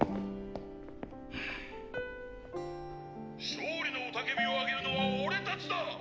「勝利の雄叫びを上げるのは俺たちだ！！